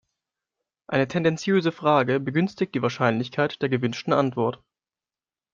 Eine tendenziöse Frage begünstigt die Wahrscheinlichkeit der gewünschten Antwort.